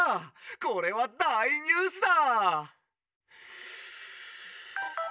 これはだいニュースだ！」。